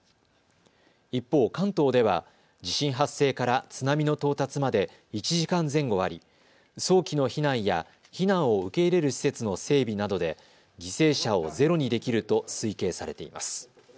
一方、関東では地震発生から津波の到達まで１時間前後あり、早期の避難や避難を受け入れる施設の整備などで犠牲者をゼロにできると推計されています。